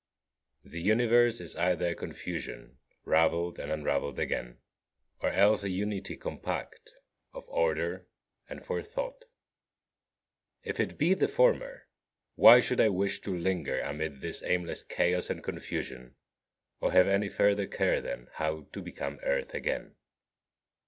10. The Universe is either a confusion ravelled and unravelled again, or else a unity compact of order and forethought. If it be the former, why should I wish to linger amid this aimless chaos and confusion, or have any further care than "how to become earth again"?